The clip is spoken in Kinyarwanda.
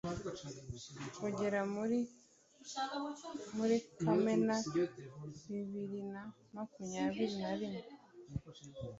kugera muri Kamena bibiri na makamyabiri na rimwe